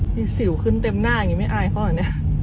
มีสิวขึ้นเต็มหน้าอย่างนี้ไม่อายเขาเหรอเนี่ย